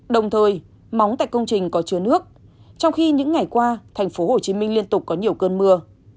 đồng thời móng tại công trình có chứa nước trong khi những ngày qua tp hcm liên tục có nhiều cơn mưa